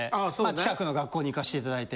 近くの学校に行かせて頂いて。